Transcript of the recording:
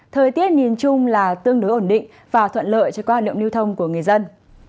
thời tiết nhìn chung là tương đối ổn định và thuận lợi cho quan hệ lượng lưu thông của người dân